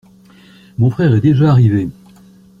Mon frère est déjà arrivé.